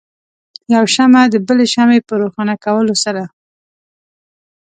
یو شمع د بلې شمعې په روښانه کولو سره.